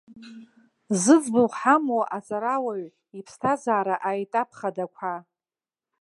Зыӡбахә ҳамоу аҵарауаҩ иԥсҭазаара аетап хадақәа.